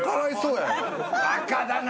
バカだな。